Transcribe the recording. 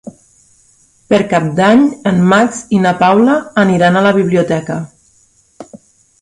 Per Cap d'Any en Max i na Paula aniran a la biblioteca.